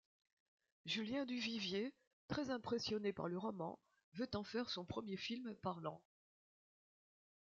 Julien Duvivier, très impressionné par le roman, veut en faire son premier film parlant.